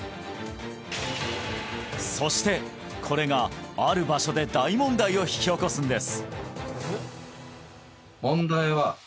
そしてこれがある場所で大問題を引き起こすんです！